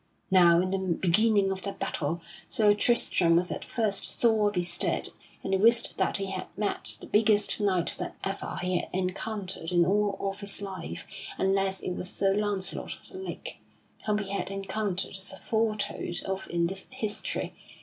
Now in the beginning of that battle Sir Tristram was at first sore bestead and wist that he had met the biggest knight that ever he had encountered in all of his life, unless it was Sir Launcelot of the Lake, whom he had encountered as aforetold of in this history.